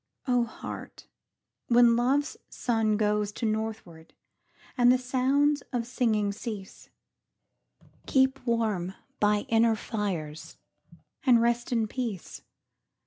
O Heart, when Love's sun goes To northward, and the sounds of singing cease, Keep warm by inner fires, and rest in peace.